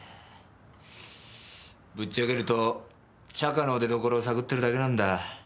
ぶっちゃけるとチャカの出どころを探ってるだけなんだ。